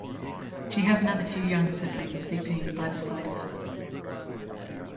She has another two young siblings sleeping by the side of her.